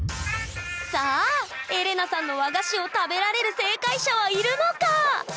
さあエレナさんの和菓子を食べられる正解者はいるのか？